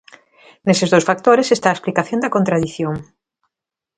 Neses dous factores está a explicación da contradición.